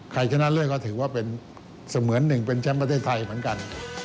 ชนะเลิศก็ถือว่าเป็นเสมือนหนึ่งเป็นแชมป์ประเทศไทยเหมือนกัน